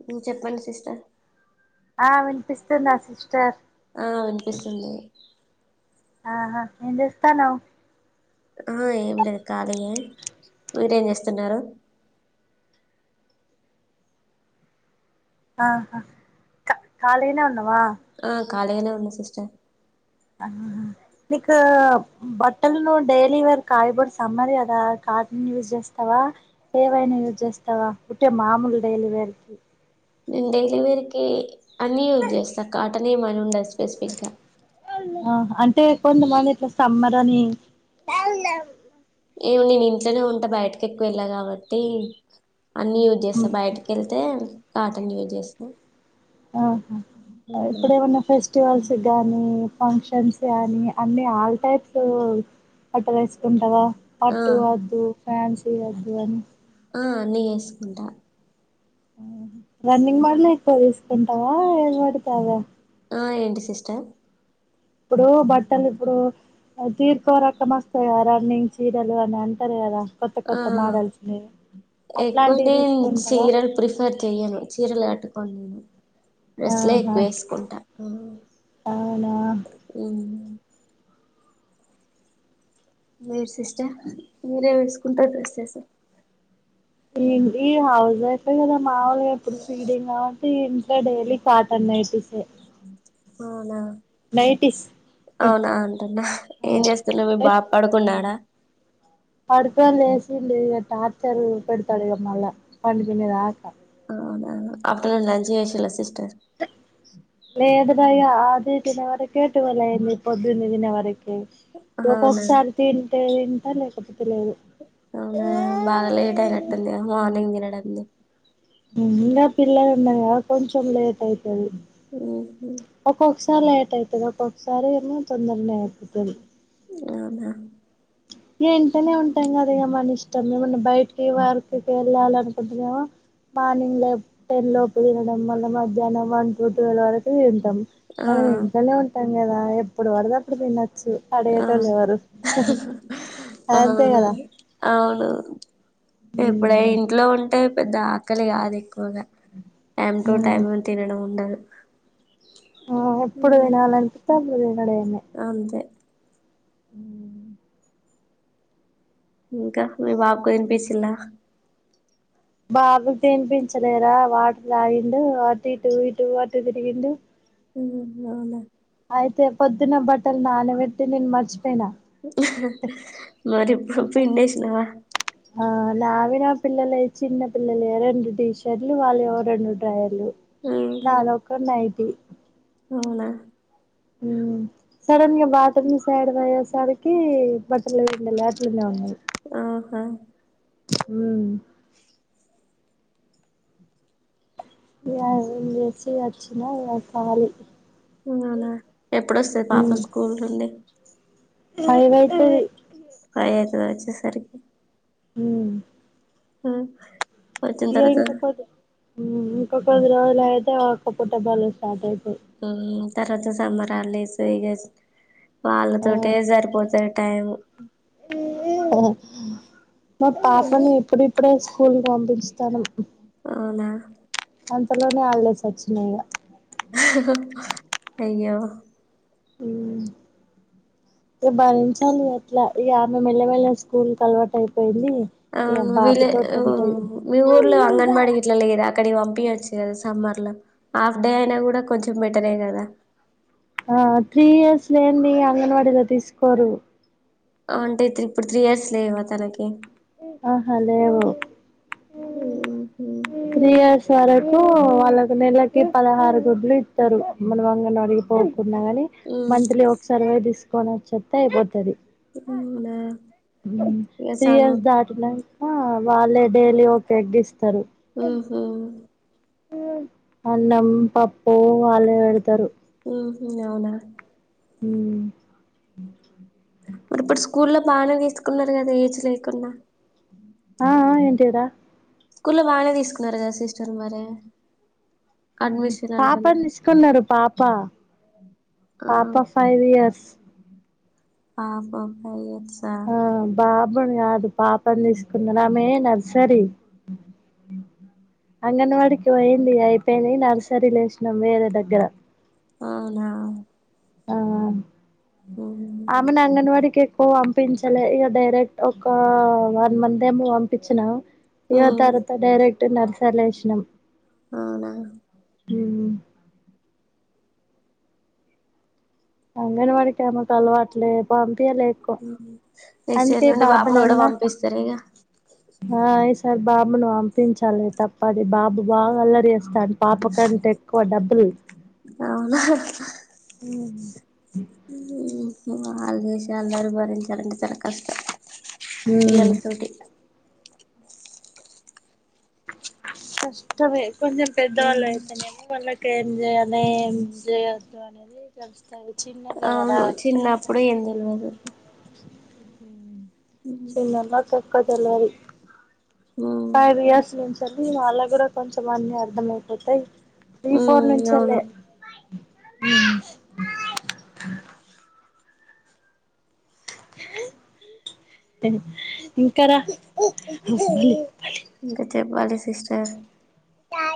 హుమ్మ్ చెప్పండి సిస్టర్ ఆ వినిపిస్తుంద ఆ సిస్టర్ హుమ్మ్ వినిపిస్తుంది ఆహా ఏం జేస్తానవు ఆ ఏం లేదు ఖాళీయే మీర్ ఏం జేస్తున్నారు ఆహా ఖా ఖాళీనే ఉన్నావా ఖాళీగనే ఉన్న సిస్టర్ ఆహా నీకు బట్టల్ ను డైలీ వేర్క్ కాయబర్స్ అమ్మదు గదా ఖా అన్ని యూజ్ జేస్తావా ఏవైనా యూజ్ జేస్తావా ఉట్టే మామూలు డైలీ వేర్కి నేను డైలీవేర్ కి అన్ని యూజ్ జేస్తా కాటన్ ఏమని ఉండదు స్పెసిఫిక్గా ఆహా అంటే కొంతమంది ఇట్లా సమ్మర్ అని ఏమో నేను ఇంట్లనే ఉంటా బయటకి ఎక్కువ యెళ్ళా గాబట్టి అన్ని యూజ్ జేస్తా బయటకి యెళ్తే కాటన్ యూజ్ జేస్తాం ఆహా ఇప్పుడు ఏమన్నా ఫెస్టివల్స్ గాని ఫంక్షన్స్ గానీ అన్ని ఆల్ టైప్స్ అట్ట యేసుకుంటావా ఆ పట్టు వద్దు ఫ్యాన్సి వద్దు అని ఆ అన్నీ యేసుకుంటా రన్నింగ్ మాడలే ఎక్కువ తీసుకుంటావా ఏది పడితే అదా ఆ ఏంటి సిస్టర్ ఇప్పుడు బట్టలు ఇప్పుడు తీరుకో రకం వస్తాయి గా రన్నింగ్ చీరలు అని అంటారు గదా కొత్త ఆ కొత్త మాడల్స్ ఎక్కువ నేన్ చీరలు ప్రిఫర్ చెయ్యను చీరలు కట్టుకోను నేను డ్రెస్లే ఆహా ఎక్కువ యేసుకుంటా అవునా మీరు సిస్టర్ మీరే వేసుకుంటారు డ్రెసెస్సా ఏంటి హౌస్ వైఫే కదా మాముూలుగా ఇప్పుడు ఫీడింగ్ గావట్టి ఇగ డైలీ కాటన్ నైటీసే అవునా నైటీస్ అవునా అంటున్నా ఏం చేస్తుండు మీ బాబ్ పడుకున్నాడా పడుకోని లేసిండు ఇగ టార్చర్ పెడతాడు ఇగా మళ్ళ పండుకునే దాక అవునా ఆఫ్టర్నూన్ లంచ్ చేసిరా సిస్టర్ లేదురా ఇగ ఆది తినే వరకే టువేల్ అయింది పొద్దున్ని తినే వర కి అవునా ఒక్కొక్కసారి తింటే తింటా లేకపోతే లేదు అవునా బాగా లేట్ అయినట్టుందిగ మార్నింగ్ తినడందే ఇంగా పిల్లలున్నరు గదా కొంచెం లేట్ అయిది ఉమ్ హూ ఒకసారి లేట్ అయితది ఒ ఒకసారి ఏమో తొందరనే అయిపోతది అవునా ఇంటనే ఉంటాం గదా ఇగ మన ఇష్టం ఏమన్నా బయటికి వర్కికి వెళ్ళాలి అనుకుంటే ఏమో మార్నింగ్ లో టెన్ లోపు తినడం మళ్ళ మధ్యాహ్నం వన్ టు టువేల్ వరకు తిం ఆ మనం ఇంట్లనే ఉంటాం గదా ఎప్పుడు బడతే దప్పుడు తినో చ్చు ఆ అడగేటోలేవరు అవును అవును ఎప్పుడ ఇంట్లో ఉంటే పెద్ద ఆకలి గాదు ఎక్కువగా టైమ్ టు ఉమ్ టైమ్ తినడం ఉండదు ఆ ఎప్పుడు తినాలి అనిపిత్తే అప్పుడు అంతే ఉమ్ ఇంకా మీ బాబుకు తినిపిచిల్లా బాబుకి తినిపించలేరా వాటర్ తాగిండు అటు ఇటు ఇటు అటు తిరిగిండు ఉమ్ అవునా అయితే పొద్దున బట్టలు నాన బెట్టి నేను మర్చి మరిప్పుడు అంటే పిండేసినవా ఆ నావి నా పిల్లలే చిన్న పిల్లలే రెండు టీషట్లు వాళ్ళవో రెండు డ్రాయర్లు నా ఉహు, లోక నా అయిది అవునా సడన్గా బటర్ సైడ్ వయసదకి బట్టర్లే వెడిట్లుందవ ఆహా హ ఏచ్చచ్చిన కాాలి అవునా ఎప్పుడొస్తది పాప స్కూల్ నుండి కైవైతే టై అవుతు వచ్చే సరికి హవు ఆ వచ్చిన ఇక తర్వాత ఇంకొ కొద్ది ఇంకొ కొద్ది రోజు అయితే ఒక్క పుట్ట బాల్ సాట్ అయితే తర్వాత సమ్మరాాల స ఇ ఆ వాళ్ళతో సరిపోతా దా మా పాసని ఎప్పుడి అప్పుడే స్కూల్ పంపతాను అవునా అంతలోనే ఆడలేసి వచ్చినయగా అ ఆ ఇ భరించాలి అట్లా ఈ ఆమె మెల్లమెెల్ల స్కూల్ క అలవాటు అయిపోయింది ఆ ఇగ వీళ్ బాబుతోటి ఉంటది మీ ఊర్ల అంగన్వాడి వీట్లలా ఏదా అక్కడికి పంపయచ్చు కదా సమ్మర్ లో హాఫ్ డే అయినా కూడా కొంచెం బెటరే కదా ఆ త్రీ ఇయర్స్ లేీ అంగన్వాడీలో తీసుకోరు వు అంటే ఇప్పుడు త్రీ ఇయర్స్ లేవా తనకి ఆహా లేేవ ఓహ త్రీ ఇయర్స్ వరకు వాళ్ళకు నెలకి పదహారు గుడ్లు ఇస్తారు మన వంగన అడిగిపో న్నా కాని ఉమ్ మంత్లీ ఒక సర్వే తీసుకొని వచ్చస్తే అయిపోతుది అవునా ఇగ త్రీ సమ్ ఇయర్స్ దాటినాక వాళ్ళే డైలీ ఓేగ్ ఇస్త ఆహ అన్నం పప్పు వాాల హతారు అవునా హ మరి ఇప్పుడు స్కూల్లో బాగానే తీసుకున్నారు కదా ఏజ్ లేకుండా ఆ ఏంటిదా స్కూల్లో బానే తీసుకున్నారు కదా సిస్టర్ మర పాపని తీసుకున్నారు పాప ఆ పాప ఫైవ్ ఇయర్స్ ఆపుా భ ఆ బాబుని కాదు పాపని తీసుకున్నాను ఆమెే నర్సరీ అ అంగన్వాడికి పోయింది అయిపోయినా నర్సరీలు వేసినాం వేరే దగ్గర అవునా ఆ ఉమ్ ఆమెను అంగన్వాడి కే వ పంపించలే ఇక డైరెక్ట్ ఒక వన్ మంత్ ఏమో పంపించినావు యు ఉమ్ తారతో ైరెక్ట్ నరసలేషనం అవునా హ అంగనే మడికమకు అలవాట్లే పంపయ లేకు నెక్స్ట్ ఇయర్ అందుకే నుండి బాబా బాబును కూడా నాన్న పంపిస్తారు ఇక ఆ ఈ సారి బాబును వంపించాలి తప్పది బాబు బాగా అల్లరి చేస్తాండు పాప కంటే ఎక్కువ డబుల్ అవునా మ్మ్ హ్మ్ మ్మ్ వాళ్ళు విషయాలు అందరూ భరించాలంటే చాలా కష్టం ఉమ్ పిల్లలతోటి కష్టమే కొంచెం పెద్దవాళ్ళు అయితేనేమో వాళ్ళకి ఏం జేయాల ఏం జేయొద్దు అనేది తెలుస్తాది చిన్నోళ్ళే కదా అవును చిన్నప్పుడు ఏం తెలువదు చిన్న [unintelligible] ఉమ్ ఫైఫ్ ఇయర్స్ నుంచి వెళ్ళి వాళ్ళక్కూడా కొంచెం అన్నీ అర్థమైపోతయ్ త్రీ ఫోర్ నుంచి అవును వెళ్ళే ఉమ్ ఇంకార [unintelligible] ఇంకా చెప్పాలి సిస్టర్ ఆ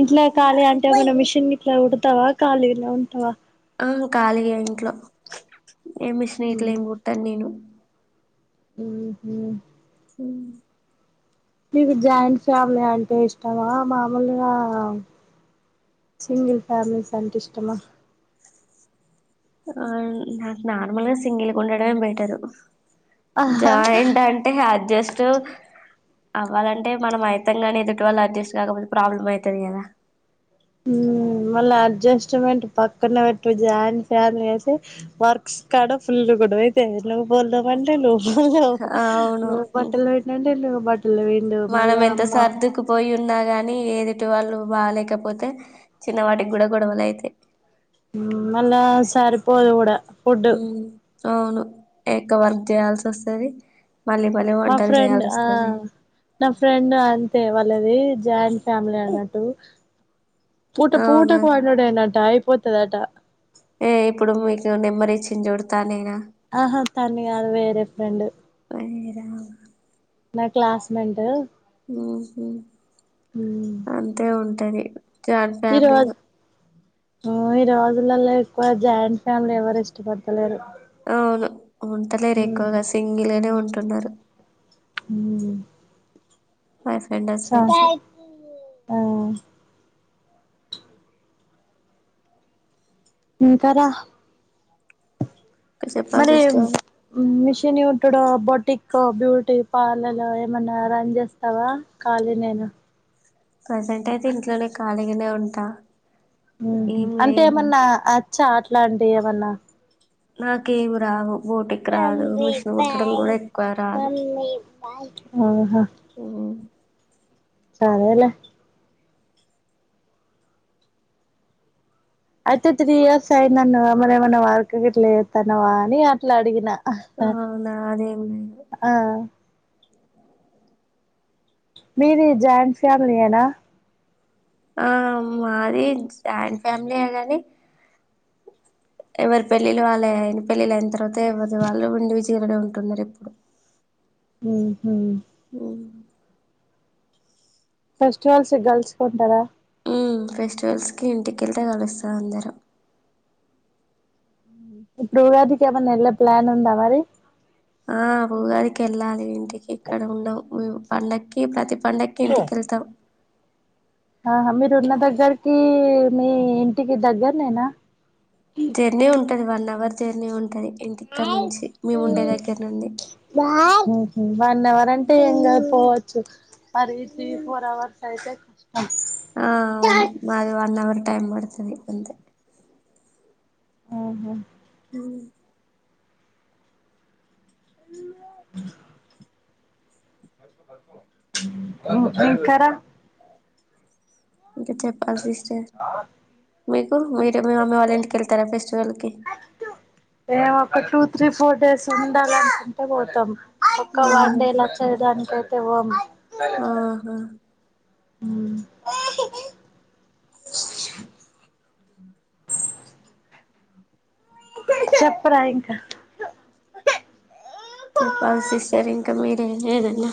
ఇంట్లో ఖాళీ అంటే ఏమైనా మిషన్ గిట్లా కుడతావా ఖాళీగానే ఉంటావా ఆ ఖాళీగే ఇంట్లో ఏం మిషన్ ఇట్లేం కుట్టను నేను ఊహూ ఊ నీకు జాయింట్ ఫ్యామిలీ అంటే ఇష్టమా మామూలుగా సింగిల్ ఫ్యామిలీస్ అంటే ఇష్టమా ఆ నాకు నార్మల్ గా సింగిల్ గుండడమే బెటరు జాయింట్ అంటే అడ్జెస్ట్ అవ్వాలంటే మనం ఐతం గానీ ఎదుటి వాళ్ళు అడ్జస్ట్ కాకపోతే ప్రాబ్లం ఐతది కదా ఊ మళ్ళా అడ్జస్ట్మెంట్ పక్కన పెట్టు జాయిన్ ఫ్యామిలీ అయితే వర్క్స్ కాడ ఫుల్లు గొడవ అయితాయి నువ్ బోలు దోమంటే నువ్ బోలు [inaudible] అవును నువ్ బట్టలు [inaudible] నువ్ బ మనం ఎంత సర్దుకు పోయు ఉన్నా గానీ ఏదుటి వాళ్ళు బాలేకపోతే చిన్నవాటికి కూడా గొడవలు ఐతాయి ఊ మళ్ళ సారిపోదు కూడా ఫుడ్ ఊ అవును ఎక్కువ వర్క్ చేయాల్సొస్తది మా ఫ్రెండ్ ఆ నా ఫ్రెండ్ అంతే వా ళ్ళది జాయింట్ ఫ్యామిలీ అన్నట్టు పూట అవునా పూటకు వండుడే నట పోతదాట ఏ ఇప్పుడు మీకు నెంబర్ ఇచ్చింది చూడు తనే నా ఆహా తను కాదు వేరే ఫ్రెండు ఆ నా క్లాస్మేంట్ హ్మ్ హు అంతే ఉంటది జాయింట్ ఫ్యామిలీలో మ్మ్ ఈ రోజులలో ఎక్కువ జాయింట్ ఫ్యామిలీ ఎవరు ఇష్టపడతలేరు అవును ఉంటలేరు ఎక్కువగా సింగిల్గానే ఉంటున్నారు మ్మ్ బాయ్ ఫ్రెండ్ స హస్బెండ్స్ ఇంకా మ్మ్ ఇంకా రా చెప్పాలి మరి సిస్టర్ మిషన్ ఏ కట్టుడు బొటికో బ్యూటీ పార్లలలో ఏమన్నా రన్ చేస్తావా కాలి నేనా ప్రజెంట్ అయితే ఇంట్లోనే ఖాళీగానే ఉంటా హ్మ్ హు ఏం అంటే లేదు ఏమన్నా అచ్చా అట్లాంటివి ఏమన్నా నాకేవు రావు బోటిక్ రాదు మమ్మీ మిషన్ కుట్టడం బాయ్ కూడా ఎక్కువ రాదు మమ్మీ బాయ్ ఆహా మ్మ్ సరేలే. అయితే త్రీ ఇయర్స్ అయిందన్నావ్ కదా ఏమైనా వర్క్ గిట్ల చేస్తున్నవాని అట్ల అడిగిన. ఆ నాదేం లేదు ఆ. మీది జాయింట్ ఫ్యామిలీ నా. ఆ మాది జాయింట్ ఫ్యామిలీయే గాని. ఎవరి పెళ్ళిళ్ళ వాళ్ళు అయిన పెళ్ళిళ్ళ అయిన తర్వాత ఎవరిది వాళ్ళు ఇండి విజేలుగా ఉంటుంది రేపు. హూ, హూ. ఫెస్టివల్స్ కు గర్ల్స్ కుంటారా. హ్మ్ ఫెస్టివల్స్ కు ఇంటికి వెళ్తే కలుస్తాం అందరం. ఇప్పుడు ఉగాదికి ఏమన్నా ప్లాన్ ఉందా మరి. ఆ ఉగాదికి వెళ్ళాలి ఇంటికి ఇక్కడ ఉండం మ్ మేము పండక్కి ప్రతి. పండగకి ఇంటికె ళ్తాం. ఆహా, మీరు ఉన్న దగ్గరకి మీ ఇంటికి దగ్గర నేనా. జర్నీ ఉంటది వన్ అవర్ జర్నీ ఉంటది. ఇంకా ఇక్కడి నుంచి మేము ఉండే దగ్గర నుండి. ఉహు వన్ అవర్ అంటే ఏం గా దు కా పోవచ్చు మర త్రీ ఫోర్ అవర్స్ అయితే. ఆ అవును మాది వన్ అవర్ టైం పడుతుంది అంతే. Who, who. అను [inaudible] ఎక్కడ. ఇంకా చెప్పాల్సి సిస్టర్. మీకు మీరే అమ్మీ వాళ్ళు ఇంటిక వెళ్తారా ఫెస్టివల్ కి. ఏమో అక్క టూ త్రీ ఫోర్ డేస్ ఉండాల అనుకుంటే పోతాం. ఒక వన్ డే లో వచ్చేదానికైతే పోమ్. ఆ, హా [inaudible] చెప్పరా ఇంకా. చెప్పాలి సిస్టర్ ఇంకా మీరే ఏదన్నా,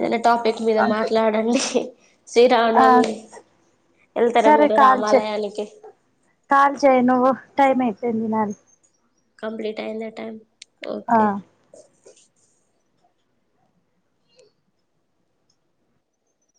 ఏదైనా. టాపిక్ మీద మాట్లాడండి శ్రీ ఆ రామనవమి. సరే కాల్ చేయి కాల్ చెయ్ నువ్వు టైం అయింది. [unintelligible] కంప్లీట్ అయింద టైమ్ ఆ ఓకే.